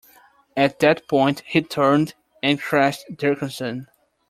At that point, he turned and crashed "Dickerson".